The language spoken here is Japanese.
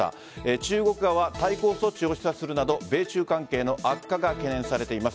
中国側は対抗措置を示唆するなど米中関係の悪化が懸念されています。